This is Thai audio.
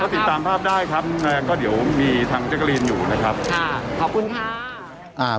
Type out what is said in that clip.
ก็ติดตามภาพได้ครับก็เดี๋ยวมีทางเจ๊กรีนอยู่นะครับ